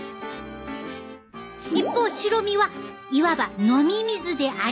一方白身はいわば飲み水でありベッド。